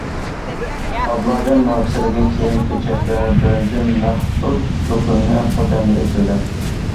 ئابلاجان ماركىسىدىكى كىيىم-كېچەكلەر بىرىنچى مەخسۇس دۇكىنى خوتەندە ئېچىلدى.